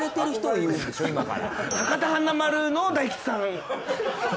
博多華丸の大吉さん。